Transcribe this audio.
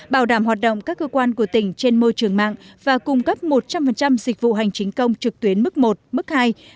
bảo đảm hoạt động các cơ quan của tỉnh trên môi trường mạng và cung cấp một trăm linh dịch vụ hành chính công trực tuyến mức một mức hai